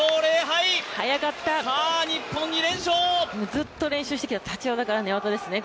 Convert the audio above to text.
ずっと練習してきた立ち技からの寝技ですね。